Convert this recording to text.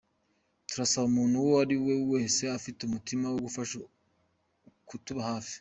Turasaba umuntu uwo ari we wese ufite umutima wo gufasha kutuba hafi.